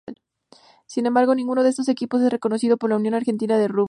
Sin embargo, ninguno de estos equipos es reconocido por la Unión Argentina de Rugby.